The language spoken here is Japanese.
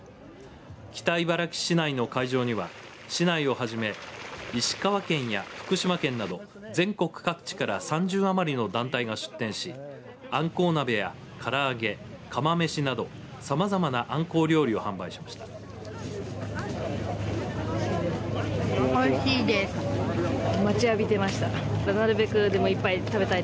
北茨城市内の会場には市内をはじめ石川県や福島県など全国各地から３０余りの団体が出店しあんこう鍋やから揚げ釜飯などをさまざまなあんこう料理を販売しました。